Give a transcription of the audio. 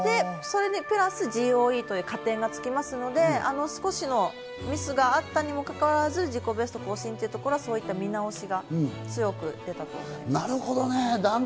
プラスＧＯＥという加点つきますので少しのミスがあったにもかかわらず、自己ベスト更新というところはそういった見直しが強く出たと思います。